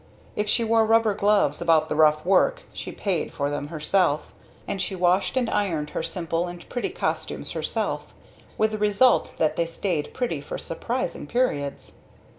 If she wore rubber gloves about the rough work, she paid for them herself; and she washed and ironed her simple and pretty costumes herself with the result that they stayed pretty for surprising periods.